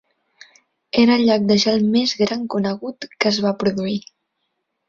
Era el llac de gel més gran conegut que es va produir.